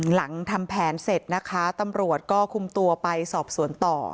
หลังทำแผนเสร็จนะคะตำรวจก็คุมตัวไปสอบสวนต่อ